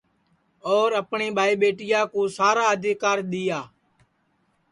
اور اپٹؔی ٻائی ٻیٹیا کُو سارا آدیکرا دؔیا